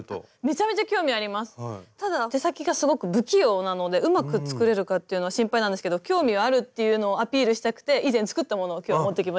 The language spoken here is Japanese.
ただ手先がすごく不器用なのでうまく作れるかっていうのは心配なんですけど興味はあるっていうのをアピールしたくて以前作ったものを今日持ってきました。